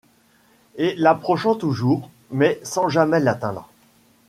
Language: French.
Et l’approchant toujours, mais sans jamais l’atteindre